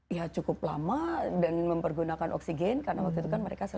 ya cukup lama dan mempergunakan oksigen karena waktu itu kan mereka sudah